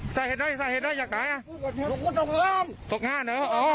ไส้เด็ดไฟอยากตายตกงาน